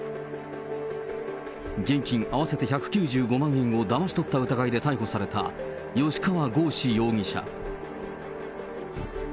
現金合わせて１９５万円をだまし取った疑いで逮捕された、吉川剛司容疑者。